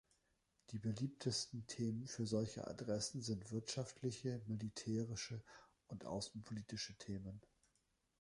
Die beliebtesten Themen für solche Adressen sind wirtschaftliche, militärische und außenpolitische Themen.